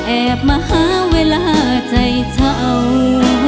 แอบมาหาเวลาใจเช่า